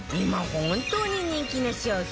本当に人気の商品